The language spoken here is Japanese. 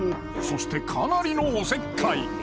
そしてかなりのおせっかい